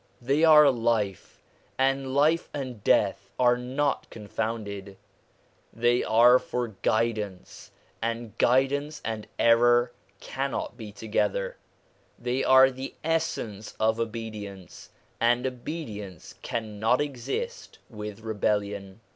They are life, and life and death are not confounded ; they are for guidance, and guidance and error cannot be together; they are the essence of obedience, and obedience cannot exist with rebellion.